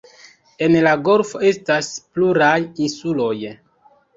En la golfo estas pluraj insuloj.